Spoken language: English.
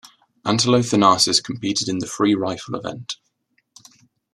Antelothanasis competed in the free rifle event.